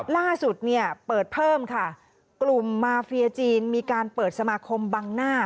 ล่าสุดเนี่ยเปิดเพิ่มค่ะกลุ่มมาเฟียจีนมีการเปิดสมาคมบังหน้า